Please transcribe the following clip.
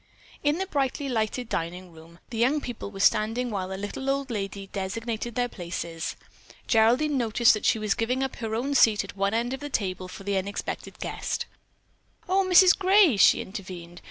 In the brightly lighted dining room the young people were standing while the little old lady designated their places. Geraldine noticed that she was giving up her own seat at one end of the table for the unexpected guest. "Oh, Mrs. Gray," she intervened.